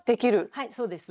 はいそうです。